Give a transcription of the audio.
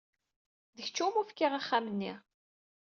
D kečč iwumi fkiɣ axxam-nni.